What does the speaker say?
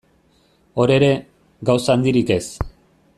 Hor ere, gauza handirik ez.